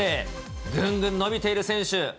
ぐんぐん伸びている選手。